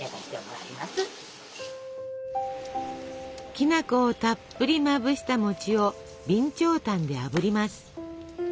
きなこをたっぷりまぶした餅を備長炭であぶります。